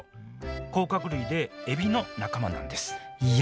甲殻類でエビの仲間なんですいや